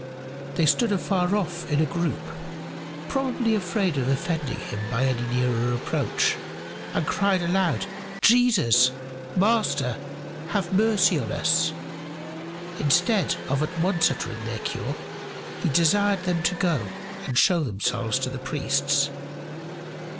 They stood afar off in a group, probably afraid of offending him by any nearer approach, and cried aloud, "Jesus, Master, have mercy on us." Instead of at once uttering their cure, he desired them to go and show themselves to the priests.